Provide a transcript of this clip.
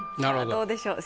どうでしょう？